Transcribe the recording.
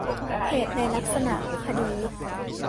เหตุในลักษณะคดี